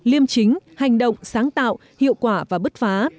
liêm chính hành động sáng tạo hiệu quả và bứt phá